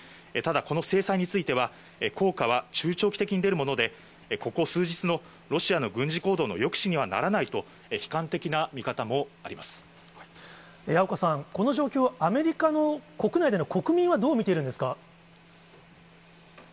ただ、この制裁については、効果は中長期的に出るもので、ここ数日のロシアの軍事行動の抑止にはならないと、悲観的な見方矢岡さん、この状況、アメリカの国内での国民はどう見ているんですか。